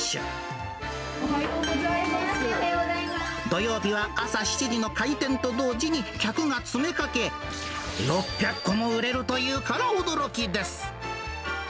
土曜日は朝７時の開店と同時に、客が詰め掛け、６００個も売れるというから驚きです。